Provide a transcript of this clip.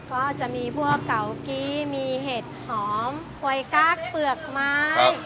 ก็จะมีพวกเกากี้มีเห็ดหอมกวยกั๊กเปลือกไม้